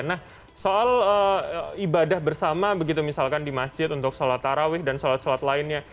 nah soal ibadah bersama begitu misalkan di masjid untuk solat tarawi dan solat solat lainnya